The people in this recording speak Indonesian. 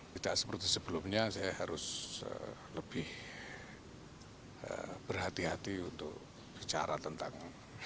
tidak seperti sebelumnya saya harus lebih berhati hati untuk bicara tentang